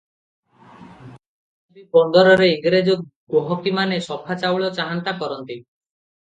ବତାବୀ ବନ୍ଦରରେ ଇଂରେଜ ଗହକିମାନେ ସଫା ଚାଉଳ ଚାହାନ୍ତା କରନ୍ତି ।